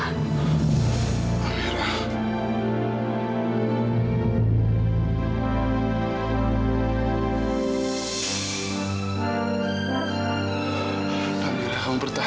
amira kamu harus berhenti